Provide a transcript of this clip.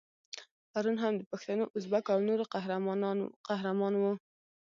پرون هم د پښتنو، ازبکو او نورو قهرمان وو.